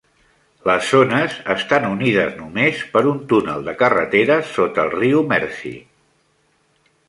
Les zones estan unides només per un túnel de carreteres sota el riu Mersey.